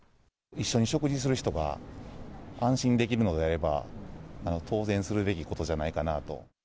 一緒に食事する人が安心できるのであれば、当然するべきことじゃないかなと。